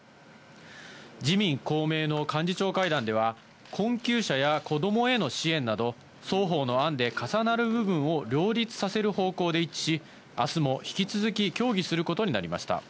自民、公明の幹事長会談では、困窮者や子どもへの支援など、双方の案で重なる部分を両立させる方向で一致し、あすも引き続き協議することになりました。